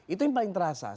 itu yang paling terasa